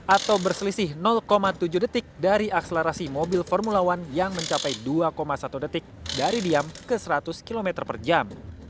atau berselisih tujuh detik dari akselerasi mobil formula satu yang mencapai dua satu detik dari diam ke seratus km per jam